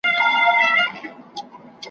ښځه سوه په خوشالي کورته روانه ,